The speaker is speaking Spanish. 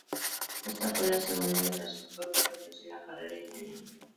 Esta fue la segunda de las cuatro victorias de la carrera italiana.